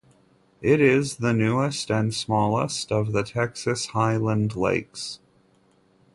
It is the newest and smallest of the Texas Highland Lakes.